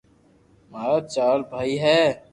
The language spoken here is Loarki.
مارا چار ڀائي ھي